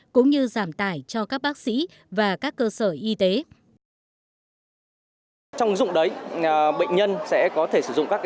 cũng như giảm tải cho các bác sĩ và các cơ sở y tế